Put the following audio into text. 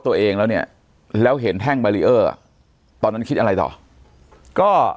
ตัวเองแล้วเนี้ยแล้วเห็นแท่งอ่ะตอนนั้นคิดอะไรต่อก็